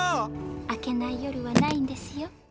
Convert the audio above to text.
明けない夜はないんですよ。